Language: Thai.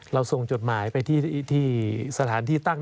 ส่งจดหมายไปที่สถานที่ตั้ง